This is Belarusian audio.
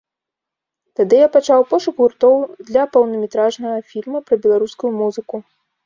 Тады я пачаў пошук гуртоў для поўнаметражнага фільма пра беларускую музыку.